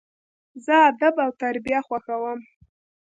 زه ادب او تربیه خوښوم.